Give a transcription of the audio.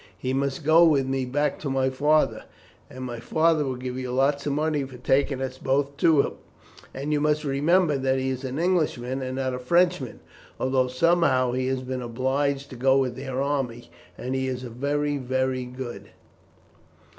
He must go with me back to my father; and my father will give you lots of money for taking us both to him, and you must remember that he is an Englishman and not a Frenchman, although somehow he has been obliged to go with their army; and he is very, very good."